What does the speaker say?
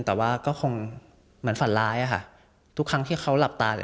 แต่ว่าก็คงเหมือนฝันร้ายอะค่ะทุกครั้งที่เขาหลับตา